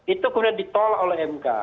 itu kemudian ditolak oleh mk